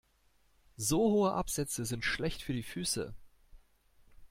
So hohe Absätze sind schlecht für die Füße.